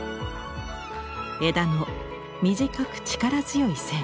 枝の短く力強い線。